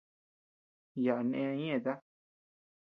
Yaʼa neʼëe ñeʼeta.